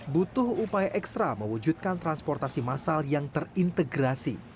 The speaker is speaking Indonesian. butuh upaya ekstra mewujudkan transportasi massal yang terintegrasi